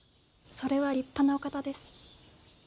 それは立派なお方です。